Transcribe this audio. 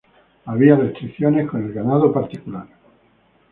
Había restricciones con el ganado particular.